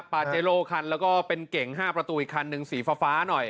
ปาเจโลคันแล้วก็เป็นเก่ง๕ประตูอีกคันหนึ่งสีฟ้าหน่อย